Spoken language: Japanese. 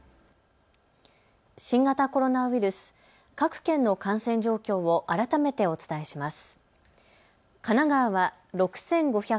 新型コロナウイルス、各県の感染状況を改めてお伝えします。